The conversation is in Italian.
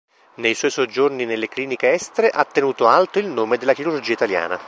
Nei suoi soggiorni nelle cliniche estere ha tenuto alto il nome della chirurgia italiana.